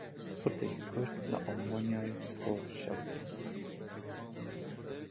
Xortekî Kurd li Almanyayê xwe şewitand.